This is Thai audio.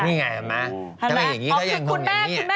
มีอย่างไรหรือเปล่าถ้าไม่อย่างนี้เขายังลงอย่างนี้